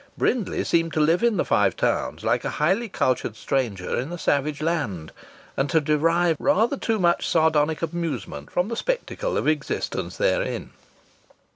Brindley seemed to live in the Five Towns like a highly cultured stranger in a savage land, and to derive rather too much sardonic amusement from the spectacle of existence therein.